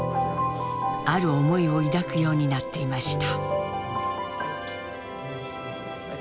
ある思いを抱くようになっていました。